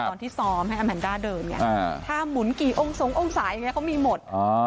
ตอนที่ซ้อมให้อาแมนด้าเดินไงถ้าหมุนกี่องค์สงองศาอย่างนี้เขามีหมด